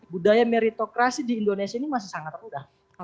budaya meritokrasi di indonesia ini masih sangat rendah